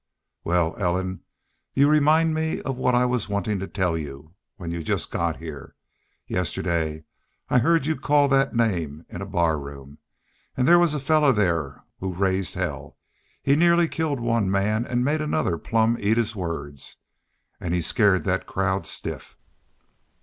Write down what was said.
"Wal, Ellen, you remind me of what I was wantin' to tell you when you just got here.... Yestiddy I heerd you called thet name in a barroom. An' thar was a fellar thar who raised hell. He near killed one man an' made another plumb eat his words. An' he scared thet crowd stiff."